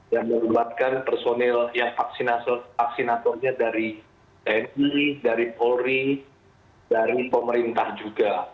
dan membuatkan personil yang vaksinatornya dari tni dari polri dari pemerintah juga